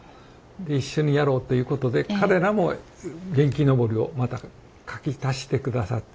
一緒にやろうということで彼らも元気のぼりをまたかき足して下さって。